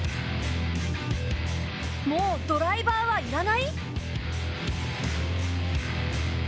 もうドライバーはいらない？